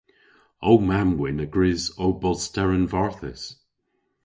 Ow mamm-wynn a grys ow bos steren varthys.